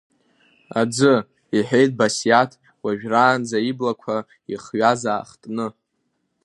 Аӡы, иҳәеиҭ Басиаҭ уажәраанӡа иблақәа ихҩаз аахтны.